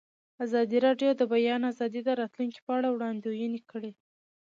ازادي راډیو د د بیان آزادي د راتلونکې په اړه وړاندوینې کړې.